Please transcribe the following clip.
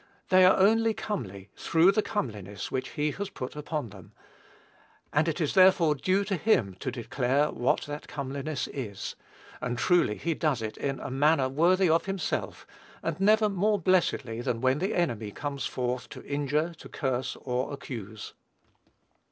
They are only comely through the comeliness which he has put upon them; and it is therefore due to him to declare what that comeliness is; and truly he does it in a manner worthy of himself, and never more blessedly than when the enemy comes forth to injure, to curse, or accuse.